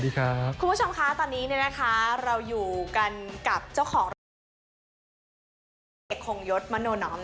คุณผู้ชมคะตอนนี้นะคะเราอยู่กันกับเจ้าของ